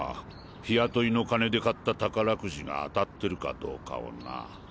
日雇いの金で買った宝くじが当たってるかどうかをな。